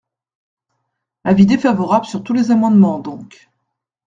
Avis défavorable sur tous les amendements, donc.